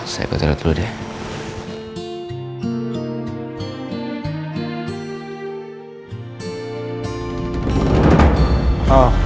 saya berterut dulu deh